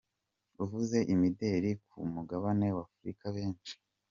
uvuze imideri ku mugabane w’Afurika benshi